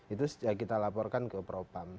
itu kita laporkan ke propam